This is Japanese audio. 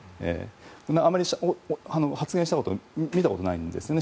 あまり、発言したことを見たことがないんですね。